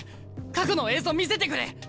過去の映像見せてくれ！